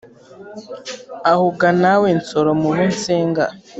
aho ga nawe nsoro mu bo nsenga